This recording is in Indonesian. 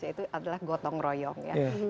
yaitu adalah gotong royong ya